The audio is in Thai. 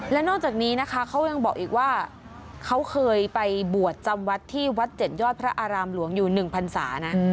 และนอกจากนี้นะคะเขายังบอกอีกว่าเขาเคยไปบวชจำวัดที่วัด๗ยอดพระอารามหลวงอยู่๑พันศานะ